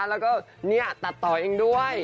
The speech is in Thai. แล้วก็เนี่ยตัดต่อเองด้วย